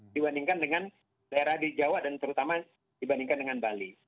dibandingkan dengan daerah di jawa dan terutama dibandingkan dengan bali